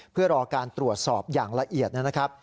เพื่อรอการตรวจสอบอย่างละเอียดนะครับ